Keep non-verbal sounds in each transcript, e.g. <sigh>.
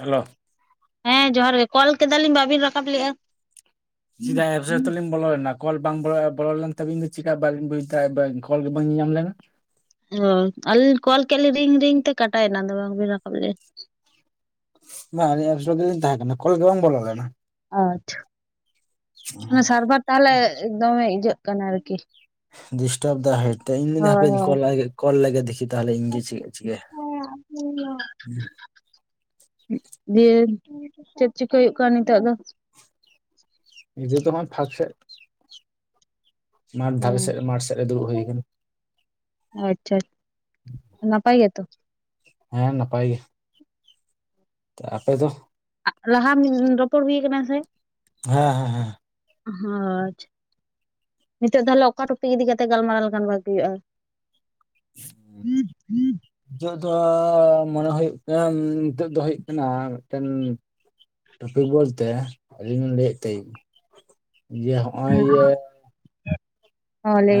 Hello ᱦᱮᱸ ᱡᱚᱦᱟᱨ ᱜᱮ ᱠᱚᱞ ᱠᱮᱫᱟᱞᱤᱧ ᱵᱟᱟᱹᱵᱤᱱ ᱨᱟᱠᱟᱵ ᱞᱮᱫᱼᱟ? <unintelligible> ᱵᱚᱞᱚ ᱮᱱᱟ ᱠᱚᱞ ᱵᱟᱝ ᱵᱚᱞᱚ ᱞᱮᱱ ᱛᱟᱵᱤᱱ ᱫᱚ ᱪᱮᱠᱟ ᱵᱟᱞᱤᱧ ᱵᱩᱡ ᱮᱫᱟ ᱠᱚᱞ ᱜᱮᱵᱟᱹᱧ ᱧᱮᱞ ᱧᱟᱢ ᱞᱮᱱᱟ ᱚ ᱟᱹᱞᱤ ᱠᱚᱞ ᱠᱮᱫ ᱞᱮ ᱨᱤᱝ ᱨᱤᱝ ᱛᱮ ᱠᱟᱴᱟᱭ ᱮᱱᱟ ᱫᱚ ᱵᱟᱝᱵᱤᱱ ᱨᱟᱠᱟᱵ ᱞᱮ ᱵᱟᱝ ᱟᱞᱤᱧ ᱮᱯᱥ ᱨᱮᱜᱮᱤᱱ ᱛᱟᱦᱮᱸ ᱠᱟᱱᱟ ᱠᱚᱞ ᱜᱮ ᱵᱟᱝ ᱵᱚᱞᱚᱱ ᱠᱟᱱᱟ ᱟᱪᱪᱷᱟ ᱚᱱᱟ ᱥᱟᱨᱵᱷᱟᱨ ᱛᱟᱦᱚᱞᱮ ᱫᱚᱢᱮ ᱤᱡᱟᱹᱜ ᱠᱟᱱᱟ ᱟᱨᱠᱤ ᱰᱤᱥᱴᱟᱨᱵ ᱫᱟ ᱦᱚᱭᱛᱚ ᱤᱧ ᱢᱮᱱ ᱦᱳᱭ ᱮᱫᱟ ᱠᱚᱞ ᱞᱮᱜᱮ ᱫᱤᱠᱤ ᱛᱟᱦᱞᱮ ᱤᱧᱜᱮ ᱦᱳᱭ ᱪᱮᱫ ᱪᱤᱠᱟᱹ ᱭᱟ ᱫᱤᱭᱮ ᱪᱮᱫ ᱪᱤᱠᱟᱹᱭ ᱦᱩᱭᱩᱜ ᱠᱟᱱᱟ ᱱᱤᱛᱚᱜ ᱫᱚ? ᱱᱤᱛᱚᱜ ᱫᱚ ᱵᱟᱝ ᱯᱟᱥᱮᱫ ᱢᱟᱴᱷ ᱫᱷᱟᱵᱮ ᱥᱮᱫ ᱢᱟᱴᱷ ᱥᱮᱫᱨᱮ ᱫᱩᱲᱩᱵ ᱦᱩᱭ ᱟᱠᱟᱱᱟ᱾ ᱟᱪᱪᱷᱟ ᱱᱟᱯᱟᱭ ᱜᱮ ᱛᱚ? ᱦᱮᱸ ᱱᱟᱯᱟᱭ ᱜᱮ᱾ ᱟᱯᱮ ᱫᱚ? ᱞᱟᱦᱟ ᱨᱚᱯᱚᱲ ᱦᱩᱭ ᱠᱟᱱᱟ ᱥᱮ ᱦᱮᱸ ᱦᱮᱸ ᱦᱮᱸ ᱟᱪᱪᱷᱟ ᱱᱤᱛᱚᱜ ᱛᱟᱦᱞᱮ ᱚᱠᱟ ᱴᱚᱯᱤᱠ ᱤᱫᱤ ᱠᱟᱛᱮ ᱜᱟᱞᱢᱟᱨᱟᱣ ᱞᱮᱠᱷᱟᱱ ᱵᱷᱟᱜᱤ ᱦᱩᱭᱩᱜᱼᱟ <unintelligible> ᱫᱚ ᱢᱚᱱᱮ ᱦᱩᱭᱩᱜ ᱠᱟᱱᱟ ᱱᱤᱛᱚᱜ ᱫᱚ ᱦᱩᱭᱩᱜ ᱠᱟᱱᱟ ᱢᱤᱫᱴᱮᱱ ᱴᱚᱯᱤᱠ ᱵᱚᱞᱛᱮ ᱟᱹᱞᱤᱧ ᱞᱤᱧ ᱞᱟᱹᱭᱮᱫ ᱛᱟᱦᱮᱫ ᱤᱭᱟᱹ ᱦᱚᱸᱜᱼᱚᱭ ᱤᱭᱟᱹ ᱦᱮᱸ ᱟ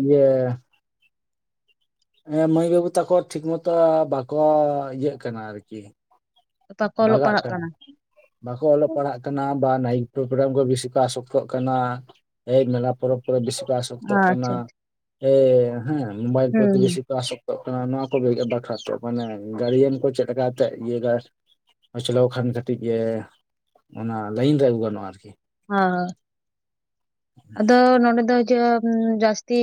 ᱤᱭᱟᱹ ᱢᱟᱹᱭ ᱵᱟᱹᱵᱩ ᱛᱟᱠᱚ ᱴᱷᱤᱠ ᱢᱚᱛᱚ ᱵᱟᱠᱚ ᱤᱭᱟᱹᱜ ᱠᱟᱱᱟ ᱟᱨᱠᱤ ᱚᱠᱟ ᱠᱚ ᱚᱞᱚᱜ ᱵᱷᱟᱜᱟᱜ ᱯᱟᱲᱦᱟᱜ ᱠᱟᱱᱟ ᱵᱟᱠᱚ ᱚᱞᱚᱜ ᱟᱪᱪᱷᱟ ᱯᱟᱲᱦᱟᱜ ᱠᱟᱱᱟ ᱵᱟ ᱱᱟᱭᱤᱴ ᱯᱨᱳᱜᱨᱟᱢ ᱠᱚ ᱵᱤᱥᱤ ᱠᱚ ᱟᱥᱚᱠᱛᱚᱜ ᱠᱟᱱᱟ ᱮ ᱢᱮᱞᱟ ᱯᱚᱨᱚᱵᱽ ᱠᱚᱨᱮ ᱵᱮᱥᱤ ᱠᱚ ᱟᱥᱚᱠᱛᱚᱜ ᱠᱟᱱᱟ ᱟᱪᱪᱷᱟ ᱮ ᱦᱮᱸ ᱢᱳᱵᱟᱭᱤᱞ ᱦᱩᱸ ᱯᱚᱛᱤ ᱦᱩᱸ ᱵᱮᱥᱤ ᱠᱚ ᱟᱥᱚᱠᱛᱼᱼ ᱱᱚᱣᱟ ᱠᱚ ᱵᱟᱠᱷᱨᱟ ᱛᱚ ᱢᱟᱱᱮ ᱜᱟᱲᱭᱟᱱ ᱠᱚ ᱪᱮᱫ ᱞᱮᱠᱟᱠᱟᱛᱮ ᱤᱭᱟᱹ ᱪᱟᱞᱟᱣ ᱠᱷᱟᱱ ᱠᱟᱹᱴᱤᱡ ᱜᱮ ᱚᱱᱟ ᱞᱟᱭᱤᱱ ᱨᱮ ᱟᱹᱜᱩ ᱜᱟᱱᱚᱜᱼᱟ ᱟᱨᱠᱤ ᱦᱚᱸ ᱟᱫᱚ ᱱᱚᱰᱮ ᱫᱚ <unintelligible> ᱡᱟᱹᱥᱛᱤ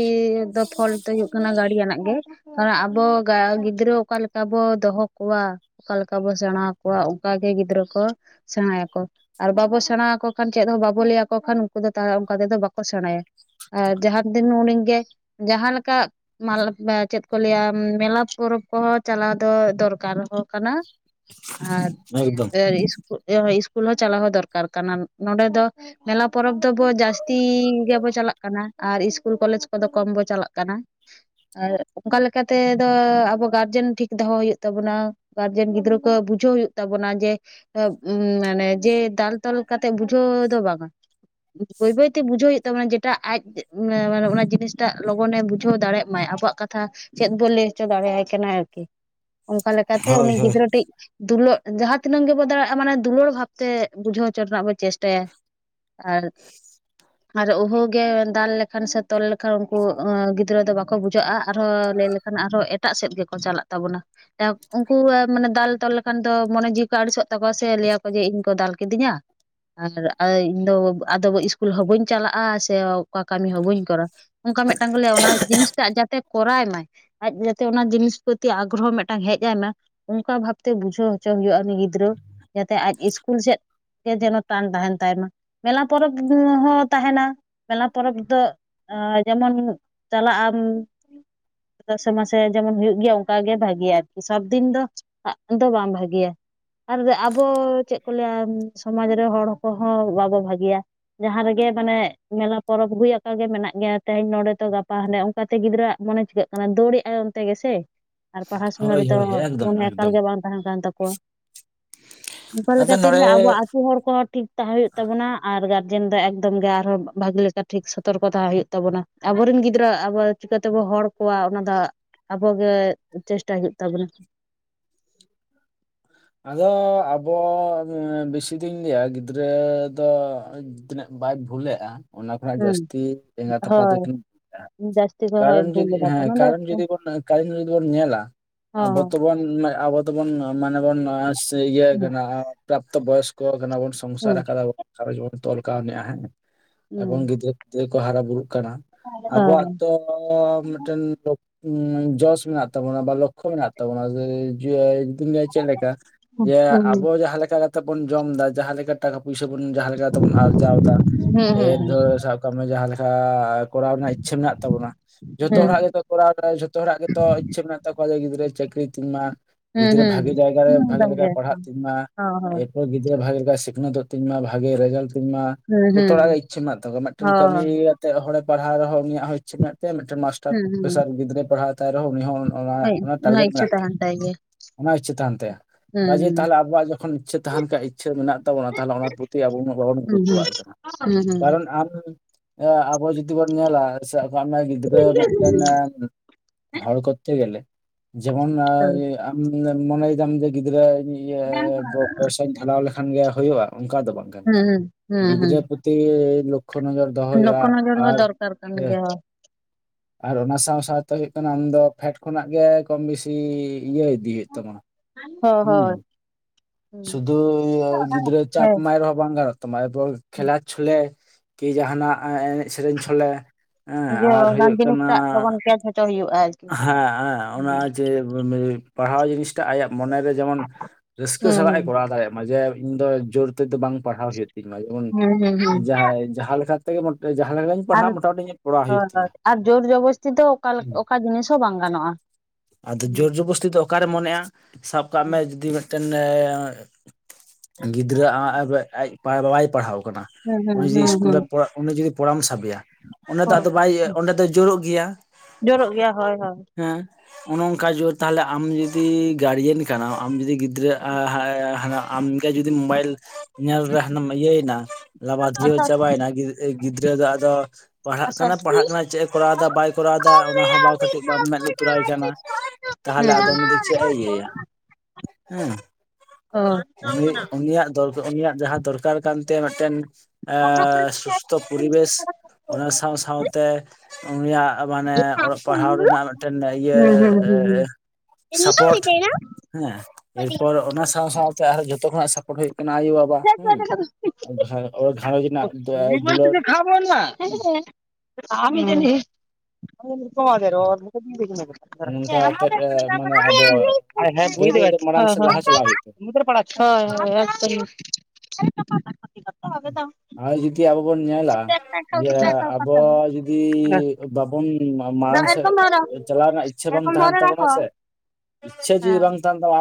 ᱫᱚ ᱯᱷᱚᱞᱴ ᱫᱚ ᱦᱩᱭᱩᱜ ᱠᱟᱱᱟ ᱜᱟᱰᱤᱭᱟᱱᱟᱜ ᱜᱮ ᱠᱟᱨᱚᱱ ᱟᱵᱚ ᱜᱤᱫᱽᱨᱟᱹ ᱚᱠᱟ ᱚᱠᱟ ᱞᱮᱠᱟ ᱵᱚ ᱫᱚᱦᱚ ᱠᱚᱣᱟ ᱚᱠᱟ ᱞᱮᱠᱟ ᱵᱚ ᱥᱮᱬᱟ ᱟᱠᱚᱣᱟ ᱚᱱᱠᱟ ᱜᱮ ᱜᱤᱫᱽᱨᱟᱹ ᱠᱚ ᱥᱮᱬᱟᱭᱟᱠᱚ᱾ ᱟᱨ ᱵᱟᱵᱚ ᱥᱮᱬᱟ ᱟᱠᱚ ᱠᱷᱟᱱ ᱪᱮᱫ ᱦᱚᱸ ᱵᱟᱵᱚ ᱞᱟᱹᱭ ᱟᱠᱚ ᱠᱷᱟᱱ ᱩᱱᱠᱩ ᱫᱚ ᱛᱟᱦᱚᱞᱮ ᱚᱱᱠᱟ ᱛᱮᱫᱚ ᱵᱟᱠᱚ ᱥᱮᱬᱟᱭᱟ᱾ ᱟᱨ ᱡᱟᱦᱟᱸ ᱛᱤᱱ ᱩᱱᱤᱜ ᱜᱮ ᱡᱟᱦᱟᱸᱞᱮᱠᱟ ᱪᱮᱫ ᱠᱚ ᱞᱟᱹᱭᱟ ᱢᱮᱞᱟ ᱯᱚᱨᱼᱼ ᱯᱚᱨᱚᱵᱽ ᱠᱚᱦᱚᱸ ᱪᱟᱞᱟᱣ ᱫᱚ ᱫᱚᱨᱠᱟᱨ ᱦᱚᱸ ᱠᱟᱱᱟ᱾ ᱻ <unintelligible> ᱟᱨ <unintelligible> ᱥᱠᱩᱞ ᱦᱚᱸ ᱪᱟᱞᱟᱣ ᱦᱚᱸ ᱫᱚᱨᱠᱟᱨ ᱠᱟᱱᱟ ᱱᱚᱰᱮ ᱫᱚ ᱢᱮᱞᱟ ᱯᱚᱨᱚᱵᱽ ᱫᱚᱵᱚ ᱡᱟᱹᱥᱛᱤ ᱡᱟᱥᱛᱤ ᱜᱮᱵᱚ ᱪᱟᱞᱟᱜ ᱠᱟᱱᱟ ᱟᱨ ᱤᱥᱠᱩᱞ ᱠᱚᱞᱮᱡᱽ ᱠᱚᱫᱚ ᱠᱚᱢ ᱵᱚ ᱪᱟᱞᱟᱜ ᱠᱟᱱᱟ᱾ ᱟᱨ ᱚᱱᱠᱟ ᱛᱮᱫᱚ ᱟᱵᱚ ᱜᱟᱨᱡᱮᱱ ᱴᱷᱤᱠ ᱫᱚᱦᱚ ᱦᱩᱭᱩᱜ ᱛᱟᱵᱚᱱᱟ ᱜᱟᱨᱡᱮᱱ ᱜᱤᱫᱽᱨᱟᱹ ᱠᱚ ᱵᱩᱡ ᱵᱩᱡᱷᱟᱹᱣ ᱦᱩᱭᱩᱜ ᱛᱟᱵᱚᱱᱟ ᱡᱮ ᱢᱟᱱᱮ ᱡᱮ ᱫᱟᱞ ᱛᱚᱞ ᱠᱟᱛᱮᱜ ᱵᱩᱡᱷᱟᱹᱣ ᱫᱚ ᱵᱟᱝᱼᱟ ᱵᱟᱹᱭ ᱵᱟᱹᱭ ᱵᱩᱡᱷᱟᱹᱣ ᱦᱩᱭᱩᱜ ᱛᱟᱵᱚᱱᱟ ᱡᱮᱴᱟ ᱟᱡ ᱚᱱᱟ ᱡᱤᱱᱤᱥᱴᱟᱜ ᱞᱚᱜᱚᱱᱮ ᱵᱩᱡᱷᱟᱹᱣ ᱫᱟᱲᱮᱭᱟᱜ ᱢᱟᱭ ᱟᱵᱚᱣᱟᱜ ᱠᱟᱛᱷᱟ ᱪᱮᱫ ᱵᱚ ᱞᱟᱹᱭ ᱦᱚᱪᱚ ᱫᱟᱲᱮᱭᱟᱭ ᱠᱟᱱᱟ ᱟᱨᱠᱤ ᱚᱱᱠᱟ ᱞᱮᱠᱟᱛᱮ ᱦᱳᱭ ᱩᱱᱤ ᱦᱳᱭ ᱜᱤᱫᱽᱨᱟᱹ ᱴᱮᱱ ᱫᱩᱞᱟᱹᱜ ᱡᱟᱦᱟᱸ ᱛᱤᱱᱟᱹᱜ ᱜᱮᱵᱚᱱ ᱫᱟᱲᱮᱭᱟᱜᱼᱟ ᱢᱟᱱᱮ ᱫᱩᱞᱟᱹᱲ ᱵᱷᱟᱵᱛᱮ ᱵᱩᱡᱷᱟᱹᱣ ᱦᱚᱪᱚ ᱨᱮᱱᱟᱜ ᱵᱚ ᱪᱮᱥᱴᱟᱭᱟ᱾ ᱟᱨ ᱟᱨ ᱩᱦᱟᱹ ᱜᱮ ᱫᱟᱞ ᱞᱮᱠᱷᱟᱱ ᱥᱮ ᱛᱚᱞ ᱞᱮᱠᱷᱟᱱ ᱩᱱᱠᱩ ᱜᱤᱫᱽᱨᱟᱹ ᱫᱚ ᱵᱟᱠᱚ ᱵᱩᱡᱷᱟᱹᱜᱼᱟ᱾ ᱟᱨᱦᱚᱸ ᱞᱟᱹᱭ ᱞᱮᱠᱷᱟᱱ ᱟᱨᱦᱚᱸ ᱮᱴᱟᱜ ᱥᱮᱫ ᱜᱮᱠᱚ ᱪᱟᱞᱟᱜ ᱛᱟᱵᱚᱱᱟ ᱩᱱᱠᱩ ᱢᱟᱱᱮ ᱫᱟᱞ ᱫᱟᱞ ᱛᱚᱞ ᱞᱮᱠᱷᱟᱱ ᱫᱚ ᱢᱚᱱᱮ ᱡᱤᱣᱤ ᱠᱚ ᱟᱹᱲᱤᱥᱚᱜ ᱛᱟᱠᱚᱣᱟ ᱥᱮ ᱞᱟᱹᱭᱟᱠᱚ ᱡᱮ ᱤᱧ ᱠᱚ ᱫᱟᱞ ᱠᱤᱫᱤᱧᱟ ᱟᱨ ᱤᱧ ᱫᱚ ᱟᱫᱚ ᱥ ᱤᱥᱠᱩᱞ ᱦᱚᱸ ᱵᱟᱹᱧ ᱪᱟᱞᱟᱜᱼᱟ ᱥᱮ ᱚᱠᱟ ᱠᱟᱹᱢᱤ ᱦᱚᱸ ᱵᱟᱹᱧ ᱠᱚᱨᱟᱣᱟ ᱚᱱᱠᱟ ᱢᱤᱫᱴᱟᱝ ᱠᱚ ᱞᱟᱹᱭᱟ ᱚᱱᱟ ᱡᱤᱱᱤᱥᱴᱟᱜ ᱡᱟᱛᱮ ᱠᱚᱨᱟᱣ ᱢᱟᱭ ᱟᱡ ᱡᱟᱛᱮ ᱚᱱᱟ ᱡᱤᱱᱤᱥ ᱯᱚᱛᱤ ᱟᱜᱨᱚᱦᱚ ᱢᱤᱫᱴᱟᱝ ᱦᱮᱡ ᱟᱭ ᱢᱟ ᱚᱱᱠᱟ ᱵᱷᱟᱵᱛᱮ ᱵᱩᱡᱷᱟᱹᱣ ᱦᱚᱪᱚ ᱦᱩᱭᱩᱜᱼᱟ᱾ ᱩᱱᱤ ᱜᱤᱫᱽᱨᱟᱹ ᱡᱟᱛᱮ ᱟᱡ ᱤᱥᱠᱩᱞ ᱥᱮᱫ ᱡᱮᱱᱚ ᱴᱟᱱ ᱛᱟᱦᱮᱱ ᱛᱟᱭᱢᱟ ᱢᱮᱞᱟ ᱯᱚᱨᱚᱵᱽ ᱦᱚᱸ ᱛᱟᱦᱮᱱᱟ ᱢᱮᱞᱟ ᱯᱚᱨᱚᱵᱽ ᱫᱚ ᱡᱮᱢᱚᱱ ᱪᱟᱞᱟᱜ ᱟᱢ᱾ ᱫᱚᱥᱮ ᱢᱟᱥᱮ ᱡᱮᱢᱚᱱ ᱦᱩᱭᱩᱜ ᱜᱮᱭᱟ ᱚᱱᱠᱟᱜ ᱜᱮ ᱵᱷᱟᱜᱮᱭᱟ ᱟᱨᱠᱤ ᱥᱚᱵ ᱫᱤᱱ ᱫᱚ ᱵᱟᱝ ᱵᱷᱟᱜᱮᱭᱟ᱾ ᱟᱨ ᱟᱵᱚ ᱪᱮᱫ ᱠᱚ ᱞᱟᱹᱭᱟ ᱥᱚᱢᱟᱡᱽ ᱨᱮ ᱦᱚᱲ ᱠᱚᱦᱚᱸ ᱵᱟᱵᱚ ᱵᱷᱟᱹᱜᱤᱭᱟ᱾ ᱡᱟᱦᱟᱸ ᱨᱮᱜᱮ ᱢᱟᱱᱮ ᱢᱮᱞᱟ ᱯᱚᱨᱚᱵᱽ ᱦᱩᱭᱠᱟᱜ ᱜᱮ ᱢᱮᱱᱟᱜ ᱜᱮᱭᱟ ᱛᱮᱦᱤᱧ ᱱᱚᱰᱮ ᱛᱚ ᱜᱟᱯᱟ ᱦᱟᱱᱮ ᱚᱱᱠᱟᱛᱮ ᱜᱤᱫᱽᱨᱟᱹ ᱟᱜ ᱢᱟᱱᱮ ᱪᱤᱠᱟᱹᱜ ᱠᱟᱱᱟ ᱫᱟᱹᱲᱮᱜ ᱟᱭ ᱚᱱᱛᱮ ᱜᱮᱥᱮ ᱟᱨ ᱯᱟᱲᱦᱟᱣ ᱥᱚᱢᱚᱭ ᱦᱳᱭ ᱨᱮᱫᱚ ᱦᱳᱭ ᱮᱠᱫᱚᱢ ᱢᱚᱱᱮ ᱮᱠᱟᱞ ᱮᱠᱫᱚᱢ ᱜᱮ ᱵᱟᱝ ᱛᱟᱦᱮᱸ ᱠᱟᱱ ᱛᱟᱠᱚᱣᱟ᱾ ᱟᱫᱚ ᱚᱱᱠᱟ ᱛᱮᱞᱮ ᱱᱚᱰᱮ ᱟᱵᱚᱣᱟᱜ ᱟᱹᱛᱩ ᱦᱚᱲ ᱠᱚᱦᱚᱸ ᱴᱷᱤᱠ ᱛᱟᱦᱮᱸ ᱦᱩᱭᱩᱜ ᱛᱟᱵᱚᱱᱟ ᱟᱨ ᱜᱟ ᱜᱟᱨᱡᱮᱱ ᱫᱚ ᱮᱠᱫᱚᱢ ᱜᱮ ᱟᱨᱦᱚᱸ ᱵᱷᱟᱜᱤ ᱞᱮᱠᱟ ᱴᱷᱤᱠ ᱥᱚᱛᱚᱨᱠᱚ ᱦᱳᱭ ᱛᱟᱵᱚᱱᱟ ᱟᱵᱚᱨᱮᱱ ᱜᱤᱫᱽᱨᱟᱹ ᱟᱵᱚ ᱪᱤᱠᱟᱛᱮᱵᱚᱱ ᱦᱚᱲ ᱠᱚᱣᱟᱜ ᱚᱱᱟ ᱫᱚ ᱟᱵᱚᱜᱮ ᱪᱮᱥᱴᱟᱭ ᱦᱩᱭᱩᱜ ᱛᱟᱵᱚᱱᱟ᱾ ᱻ <inaudible> ᱟᱫᱚ ᱟᱵᱚ ᱵᱮᱥᱤ ᱫᱤᱱ ᱞᱟᱹᱭᱟ ᱜᱤᱫᱽᱨᱟᱹ ᱫᱚ ᱛᱤᱱᱟᱹᱜ ᱵᱟᱭ ᱵᱷᱩᱞᱮᱜᱼᱟ ᱚᱱᱟ ᱠᱷᱚᱱᱟᱜ ᱦᱮᱸ ᱡᱟᱹᱥᱛᱤ ᱮᱸᱜᱟ ᱛᱟᱯᱟ ᱦᱳᱭ ᱫᱚᱠᱤᱱ ᱵᱷᱩᱞᱮᱜᱼᱟ᱾ ᱡᱟᱹᱥᱛᱤ ᱠᱚ ᱦᱳᱭ ᱠᱟᱨᱚᱱ ᱵᱷᱩᱞ ᱡᱩᱫᱤ ᱮᱫᱟ ᱠᱚ ᱦᱮᱸ ᱚᱱᱟ ᱫᱚ ᱠᱟᱨᱚᱱ ᱡᱩᱫᱤ ᱵᱚᱱ ᱠᱟᱨᱚᱱ ᱡᱩᱫᱤ ᱵᱚᱱ ᱧᱮᱞᱟ ᱟᱵᱚᱛᱚᱵᱚᱱ ᱟᱵᱚᱛᱚᱵᱚᱱ ᱢᱟᱱᱮ ᱵᱚᱱ ᱤᱭᱟᱹ ᱠᱟᱱᱟ ᱯᱨᱟᱯᱛᱚ ᱵᱚᱭᱚᱥᱠᱚ ᱠᱟᱱᱟ ᱵᱚᱱ ᱥᱚᱝᱥᱟᱨ ᱟᱠᱟᱫᱟ ᱛᱚᱞᱠᱟ ᱱᱮᱭᱟ ᱦᱮᱸ ᱮ ᱜᱤᱫᱽᱨᱟᱹ ᱜᱽ ᱠᱚ ᱦᱟᱨᱟ ᱵᱩᱨᱩ ᱠᱟᱱᱟ ᱟᱵᱚᱣᱟᱜ ᱛᱚ ᱢᱤᱫᱴᱮᱱ ᱡᱚᱥ ᱢᱮᱱᱟᱜ ᱛᱟᱵᱚᱱᱟ ᱵᱟ ᱞᱚᱠᱠᱷᱚ ᱢᱮᱱᱟᱜ ᱛᱟᱵᱚᱱᱟ ᱪᱮᱫ ᱞᱮᱠᱟ ᱡᱮ ᱟᱵᱚ ᱡᱟᱦᱟᱸ ᱞᱮᱠᱟ ᱠᱟᱛᱮᱜ ᱵᱚᱱ ᱡᱚᱢ ᱫᱟ ᱡᱟᱦᱟᱸᱞᱮ ᱴᱟᱠᱟ ᱯᱩᱭᱥᱟ ᱵᱩᱱ ᱡᱟᱦᱟᱸᱞᱮᱠᱟ ᱛᱮᱵᱚᱱ ᱟᱨᱡᱟᱣ ᱮᱫᱟ ᱮᱨ ᱫᱷ ᱥᱟᱵ ᱠᱟᱜ ᱢᱮ ᱡᱟᱦᱟᱸ ᱞᱮᱠᱟ᱾ ᱠᱚᱨᱟᱣ ᱨᱮᱱᱟᱜ ᱤᱪᱪᱟᱹ ᱢᱮᱱᱟᱜ ᱛᱟᱵᱚᱱᱟ ᱡᱷᱚᱛᱚ ᱦᱚᱲᱟᱜ ᱚᱱᱟ ᱜᱮᱛᱚ ᱠᱚᱨᱟᱣ ᱨᱮ ᱡᱷᱚᱛᱚ ᱦᱚᱲᱟᱜ ᱜᱮᱛᱚ ᱤᱪᱪᱷᱟᱹ ᱢᱮᱱᱟᱜ ᱛᱟᱠᱚᱣᱟ ᱡᱮ ᱜᱤᱫᱽᱨᱟᱹ ᱪᱟᱹᱠᱨᱤ ᱛᱤᱧ ᱢᱟ ᱜᱤᱫᱽᱨᱟᱹ ᱵᱷᱟᱜᱮ ᱡᱟᱭᱜᱟ ᱨᱮ ᱵᱷᱟᱜᱮᱠᱟᱭ ᱯᱟᱲᱦᱟᱜ ᱛᱤᱧ ᱢᱟ᱾ ᱮᱨᱯᱚᱨ ᱜᱤᱫᱽᱨᱟᱹ ᱵᱷᱟᱜᱮ ᱞᱮᱠᱟ ᱥᱤᱠᱷᱱᱟᱹᱛᱚᱜ ᱛᱤᱧ ᱢᱟ ᱵᱷᱟᱜᱮ ᱨᱮᱡᱟᱞᱴ ᱡᱚᱛᱚ ᱦᱚᱲᱟᱜ ᱜᱮ ᱤᱪᱪᱷᱟᱹ ᱢᱮᱱᱟᱜ ᱛᱟᱠᱚᱣᱟ ᱢᱤᱫᱴᱮᱱ ᱠᱟᱹᱢᱤ ᱠᱟᱛᱮᱮᱫ ᱦᱚᱲᱮ ᱯᱟᱲᱦᱟᱣ ᱨᱮᱦᱚᱸ ᱩᱱᱤᱭᱟᱜ ᱦᱚᱸ ᱤᱪᱪᱷᱟᱹ ᱢᱮᱱᱟᱜ ᱛᱟᱣᱟ᱾ ᱢᱤᱫᱴᱮᱱ ᱢᱟᱥᱴᱟᱨ ᱯᱨᱚᱯᱷᱮᱥᱟᱨ ᱜᱤᱫᱽᱨᱟᱹᱭ ᱯᱟᱲᱦᱟᱣ ᱛᱟᱭᱨᱮᱦᱚᱸ ᱩᱱᱤ ᱦᱚᱸ ᱚᱱᱟ ᱚᱱᱟ ᱴᱟᱨᱜᱮᱴ ᱤᱪᱪᱷᱟᱹ ᱢᱮᱱᱟᱜ ᱛᱟᱦᱮᱱ ᱛᱟᱭ ᱜᱮᱭᱟ ᱚᱱᱟ ᱤᱪᱪᱷᱟᱹ ᱡᱮ ᱦᱩᱸ ᱛᱟᱦᱮ ᱟᱵᱚᱣᱟᱜ ᱡᱚᱠᱷᱚᱱ ᱤᱪᱟᱹ ᱛᱟᱦᱮᱱ ᱛᱟᱭᱟ ᱤᱪᱪᱟᱹ ᱢᱮᱱᱟᱜ ᱛᱟᱭᱟ᱾ ᱛᱟᱵᱚᱱᱟ ᱛᱟᱦᱚᱞᱮ ᱚᱱᱟ ᱯᱨᱚᱛᱤ ᱟᱵᱚ ᱵᱟᱵᱚᱱ ᱦᱩᱸ ᱜᱩᱨᱩᱛᱛᱚᱣᱟᱜ ᱠᱟᱱᱟ ᱦᱩᱸ ᱦᱩᱸ ᱠᱟᱨᱚᱱ ᱟᱢ ᱟᱵᱚ ᱡᱩᱫᱤ ᱵᱚᱱ ᱧᱮᱞᱟ- ᱟᱢᱮ ᱜᱤᱫᱽᱨᱟᱹ ᱦᱩᱸ ᱢᱤᱫᱴᱮᱱ ᱦᱚᱲ ᱠᱚᱛᱮ ᱜᱮᱞᱮ ᱡᱮᱢᱚᱱ ᱟᱢ ᱢᱚᱱᱮᱭ ᱛᱟᱢ ᱡᱮ ᱜᱤᱫᱽᱨᱟᱹ ᱯᱚᱭᱥᱟᱧ ᱰᱷᱟᱮᱞᱟᱣ ᱞᱮᱠᱟᱱ ᱠᱷᱟᱱ ᱜᱮ ᱦᱩᱭᱩᱜᱼᱟ᱾ ᱚᱱᱠᱟ ᱫᱚ ᱵᱟᱝᱠᱷᱟᱱ ᱦᱩᱸ ᱦᱩᱸ ᱦᱩᱸ ᱜᱤᱫᱽᱨᱟᱹ ᱯᱚᱛᱷᱤ ᱞᱚᱠᱠᱷᱚ ᱱᱚᱡᱚᱨ ᱦᱚᱸ ᱫᱚᱨᱠᱟᱨ ᱠᱟᱱ ᱦᱮᱸ ᱜᱮᱭᱟ᱾ ᱟᱨ ᱚᱱᱟ ᱥᱟᱶ ᱥᱟᱶᱛᱮ ᱦᱳᱭᱳᱜ ᱠᱟᱱᱟ ᱟᱢᱫᱚ ᱯᱷᱮᱰ ᱠᱷᱚᱱᱟᱜ ᱜᱮ ᱠᱚᱢ ᱵᱮᱥᱤ ᱤᱭᱟᱹ ᱤᱫᱤᱭ ᱛᱟᱢᱟ ᱦᱳᱭ ᱦᱩᱸ ᱦᱳᱭ ᱦᱩᱸ ᱥᱩᱫᱩ ᱜᱤᱫᱽᱨᱟᱹ ᱪᱟᱯ ᱦᱮᱸ ᱢᱟᱭ ᱦᱮᱦᱚ ᱵᱟᱝ ᱜᱟᱱᱚᱜ ᱟ᱾ ᱛᱚᱢᱟᱨ ᱠᱷᱮᱞᱞᱟ ᱪᱷᱚᱞᱮ ᱠᱤ ᱡᱟᱦᱟᱱᱟᱜ ᱮᱱᱮᱡ ᱥᱮᱨᱮᱧ ᱪᱷᱚᱞᱮ ᱦᱮᱸ ᱟᱨ ᱦᱩᱭᱩᱜ ᱡᱤᱱᱤᱥ ᱠᱟᱱᱟ ᱴᱟᱜ ᱞᱚᱜᱚᱱ ᱠᱮᱪ ᱦᱚᱪᱚ ᱦᱩᱭᱩᱜᱼᱟ᱾ ᱟᱨᱠᱤ ᱦᱮᱸ ᱦᱮᱸ ᱚᱱᱟ ᱡᱮ ᱯᱟᱲᱦᱟᱣ ᱡᱤᱱᱤᱥᱴᱟ ᱟᱭᱟᱜ ᱢᱚᱱᱮᱨᱮ ᱡᱮᱢᱚᱱ ᱨᱟᱹᱥᱠᱟᱹ ᱦᱩᱸ ᱥᱟᱞᱟᱜ ᱦᱩᱸ ᱮ ᱠᱚᱨᱟᱣ ᱫᱟᱲᱮᱭᱟᱜ ᱢᱟ ᱡᱮ ᱤᱧ ᱫᱚ ᱡᱳᱨ ᱫᱚ ᱵᱟᱝ ᱯᱟᱲᱦᱟᱣ ᱦᱩᱭᱩᱜ ᱛᱤᱧ ᱢᱟ ᱡᱮᱢᱚᱱ ᱦᱩᱸ ᱦᱩᱸ ᱦᱩᱸ ᱡᱟᱦᱟᱸᱭ ᱡᱟᱦᱟᱸ ᱛᱮᱜᱮ ᱡᱟᱦᱟᱸ ᱞᱮᱠᱟᱧ ᱟᱨ ᱯᱟᱲᱦᱟᱜ ᱢᱚᱴᱟᱢᱩᱴᱤ ᱤᱧᱟᱹᱜ ᱠᱚᱨᱟᱣ ᱦᱩᱭᱩᱜ ᱦᱳᱭ ᱦᱳᱭ ᱛᱤᱧᱟᱹ ᱟᱨ ᱡᱳᱨ ᱡᱚᱵᱚᱥᱛᱤ ᱫᱚ ᱚᱠᱟ ᱦᱮᱸ ᱚᱠᱟ ᱡᱤᱱᱤᱥ ᱦᱚᱸ ᱵᱟᱝ ᱜᱟᱱᱚᱜᱼᱟ ᱟᱫᱚ ᱦᱩᱸ ᱡᱳᱨᱡᱚᱵᱚᱥᱛᱤ ᱫᱚ ᱚᱠᱟᱨᱮ ᱢᱚᱱᱮᱜᱼᱟ᱾ ᱥᱟᱵ ᱠᱟᱜ ᱢᱮ ᱦᱩᱸ ᱡᱩᱫᱤ ᱢᱤᱫᱴᱤᱱ ᱜᱤᱫᱽᱨᱟᱹ ᱟᱡ ᱵᱟᱵᱟᱭ ᱯᱟᱲᱦᱟᱣ ᱮᱠᱟᱱᱟ᱾ ᱩᱱᱤ ᱡᱩᱫᱤ ᱦᱩᱸ ᱤᱥᱠᱩᱞ ᱦᱩᱸ ᱨᱮ ᱩᱱᱤ ᱡᱩᱫᱤ ᱯᱚᱲᱟᱢ ᱥᱟᱵᱮᱭᱟ ᱚᱸᱰᱮ ᱫᱚ ᱟᱫᱚ ᱵᱟᱭ ᱚᱸᱰᱮ ᱫᱚᱭ ᱡᱩᱨᱩᱜ ᱜᱮᱭᱟ᱾ <unintelligible> ᱚᱱ ᱚᱱᱠᱟ ᱡᱩᱨ ᱛᱟᱦᱚᱞᱮ ᱟᱢ ᱡᱩᱫᱤ ᱜᱟᱨᱡᱮᱱ ᱠᱟᱱᱟᱢ ᱟᱢ ᱡᱩᱫᱤ ᱜᱤᱫᱽ ᱜᱤᱫᱽᱨᱟᱹ ᱟᱨ ᱦᱟᱱᱟ ᱟᱢ ᱜᱮ ᱡᱩᱫᱤ ᱢᱩᱵᱟᱭᱤᱞ ᱧᱮᱞ ᱨᱮ ᱦᱟᱱᱮᱢ ᱤᱭᱟᱹᱭᱮᱱᱟ ᱦᱩᱸ ᱞᱟᱵᱟᱫᱷᱤᱭᱟ. ᱦᱩᱸ ᱪᱟᱵᱟᱭᱮᱱᱟ ᱜᱤᱫᱽᱨᱟᱹ ᱫᱚ ᱟᱫᱚ ᱯᱟᱲᱦᱟᱜ ᱠᱟᱱᱟᱭ ᱯᱟᱲᱦᱟᱜ ᱠᱟᱱᱟᱭ ᱪᱮᱫ ᱮ ᱠᱚᱨᱟᱣ ᱮᱫᱟ ᱵᱟᱭ ᱠᱚᱨᱟᱣ ᱮᱫᱟ? ᱚᱱᱟ ᱦᱚᱸ ᱵᱟᱝ ᱠᱟᱹᱴᱤᱡ ᱵᱟᱢ ᱢᱮᱱ ᱞᱩᱛᱩᱨᱟᱭ ᱠᱟᱱᱟ᱾ ᱛᱟᱦᱚᱞᱮ ᱩᱱᱤ ᱫᱚ ᱪᱮᱫ ᱮ ᱤᱭᱟᱹᱭᱟ᱾ ᱦᱩᱸ ᱩᱱᱤ ᱩᱱᱤᱭᱟᱜ ᱫᱚᱨ ᱩᱱᱤᱭᱟᱜ ᱡᱟᱦᱟᱸ ᱫᱚᱨᱠᱟᱨ ᱠᱟᱱᱛᱟᱭᱟ ᱢᱟᱟᱮ ᱥᱩᱥᱛᱷᱚ ᱯᱩᱨᱤᱵᱮᱥ ᱚᱱᱟ ᱥᱟᱶ ᱥᱟᱶᱛᱮ ᱩᱱᱤᱭᱟᱜ ᱢᱟᱱᱮ ᱚᱞᱚᱜ ᱯᱟᱲᱦᱟᱣ ᱦᱩᱸ ᱨᱮᱱᱟᱜ ᱢᱤᱫᱴᱟ. ᱝ ᱤᱭᱟᱹ ᱥᱟᱯᱚᱴ ᱦᱮᱸ <unintelligible> ᱨᱮᱱᱟᱜ <unintelligible> ᱫᱩᱞᱟᱹᱲ ᱟᱮ ᱱ ᱧᱩᱛᱩᱢᱚ ᱢᱟᱷ <unintelligible> ᱱᱚᱝᱠᱟ ᱠᱟᱛᱮᱫ ᱦᱮᱸ ᱢᱟᱱᱮ ᱟᱵᱚ ᱵᱩᱡ ᱵᱟᱹᱭ ᱵᱟᱹᱭᱛᱮ ᱢᱟᱲᱟᱝ ᱥᱮᱫ ᱞᱟᱦᱟ ᱛ ᱪᱟᱞᱟᱣ ᱦᱩᱭᱩᱜ ᱛᱟᱵᱚᱱᱟ ᱯᱟᱲᱟᱜᱪᱚ <unintelligible> ᱦᱳᱭ ᱦᱳᱭᱻ ᱟᱨ ᱡᱩᱫᱤ ᱟᱵᱚ ᱵᱚᱱ ᱧᱮᱞᱟ ᱤᱭᱟ. ᱟᱵᱚ ᱡᱩᱫᱤ ᱵᱟᱵᱚᱱ ᱢᱟᱲᱟᱝ ᱥᱮᱫ ᱪᱟᱞᱟᱣ ᱨᱮᱱᱟᱜ ᱤᱪᱪᱷᱟᱹ ᱵᱟᱝ ᱛᱟᱦᱮᱱ ᱛᱟᱵᱚᱱᱟ ᱥᱮ ᱤᱪᱪᱷᱟᱹ ᱡᱩᱫᱤ ᱵᱟᱝ ᱛᱟᱦᱮᱱ ᱛᱟᱵᱚᱱᱟ